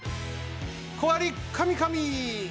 小割カミカミ！